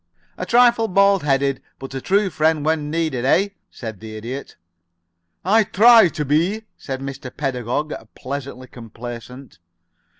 "A trifle bald headed, but a true friend when needed, eh?" said the Idiot. "I try to be," said Mr. Pedagog, pleasantly complacent.